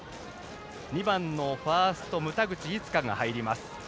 ２番のファースト、牟田口逸佳が入ります。